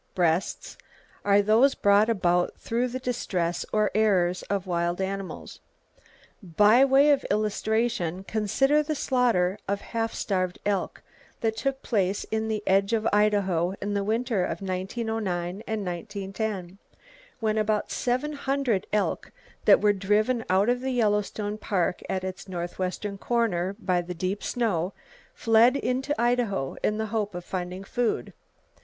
breasts are those brought about through the distress or errors of wild animals. By way of illustration, consider the slaughter of half starved elk that took place in the edge of Idaho in the winter of 1909 and 1910, when about seven hundred elk [Page 91] that were driven out of the Yellowstone Park at its northwestern corner by the deep snow, fled into Idaho in the hope of finding food.